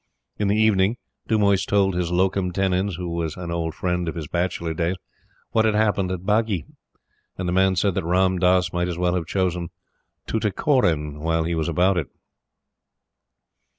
In the evening, Dumoise told his locum tenens, who was an old friend of his bachelor days, what had happened at Bagi; and the man said that Ram Dass might as well have chosen Tuticorin while he was about it.